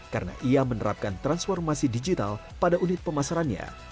karena ia menerapkan transformasi digital pada unit pemasarannya